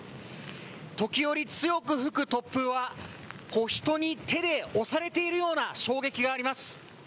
時折、強く吹く突風は人に手で押されているような衝撃があります。